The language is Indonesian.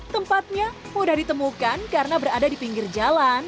tempatnya mudah ditemukan karena berada di pinggir jalan